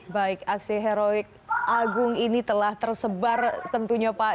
baik aksi heroik agung ini telah tersebar tentunya pak